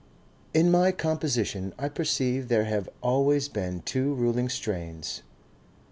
"In my composition I perceive there have always been two ruling strains.